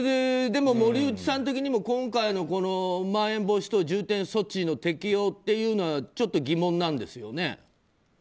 でも森内さん的にも今回のまん延防止等重点措置の適用というのはちょっと疑問なんですよね？